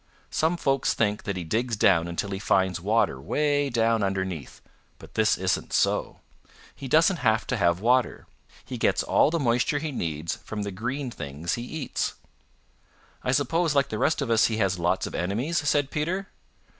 "Some folks think that he digs down until he finds water way down underneath, but this isn't so. He doesn't have to have water. He gets all the moisture he needs from the green things he eats." "I suppose, like the rest of us, he has lots of enemies?" said Peter.